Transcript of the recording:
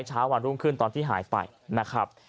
เช้าวันรุ่งขึ้นตอนที่หายไปนะครับ